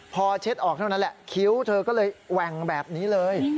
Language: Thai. พอเช็ดออกเท่านั้นแหละคิ้วเธอก็เลยแหว่งแบบนี้เลย